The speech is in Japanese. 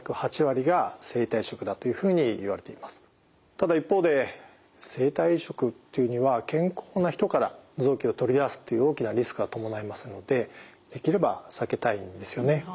ただ一方で生体移植っていうのは健康な人から臓器を取り出すっていう大きなリスクが伴いますのでできれば避けたいんですよね。